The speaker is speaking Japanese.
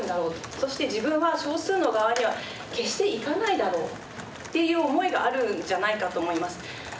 そして自分は「少数の側には決して行かないだろう」っていう思いがあるんじゃないかと思います。